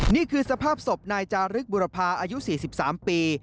นี่คือสภาพศพนายจารึกบุรพาอายุ๔๓ปี